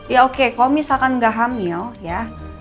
ya oke kalau misalkan nggak hamil ya